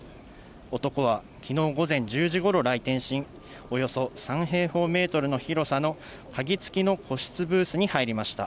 男はきのう午前１０時ごろ来店し、およそ３平方メートルの広さの鍵付きの個室ブースに入りました。